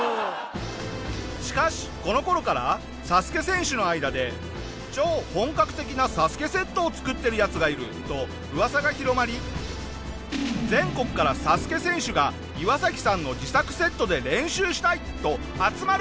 しかしこの頃からＳＡＳＵＫＥ選手の間で超本格的なＳＡＳＵＫＥセットを作ってるヤツがいると噂が広まり全国からＳＡＳＵＫＥ選手がイワサキさんの自作セットで練習したいと集まるように！